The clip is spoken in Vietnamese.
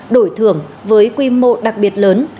đổi thưởng với quy mô đặc biệt lớn